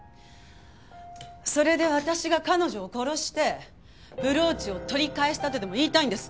それで私が彼女を殺してブローチを取り返したとでも言いたいんですか？